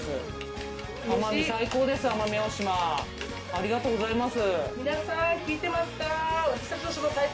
ありがとうございます。